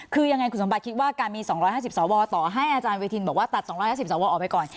คือยังไงคุณสมบัติคิดว่าการมี๒๕๐สวต่อให้อาจารย์เวทินบอกว่าตัด๒๕๐สวออกไปก่อน